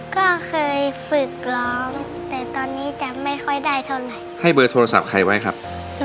ก็เคยฝึกร้องแต่ตอนนี้จะไม่ค่อยได้เท่าไหร่ให้เบอร์โทรศัพท์ใครไว้ครับ